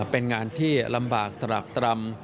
เป็นงานที่ลำบากตรากตรำ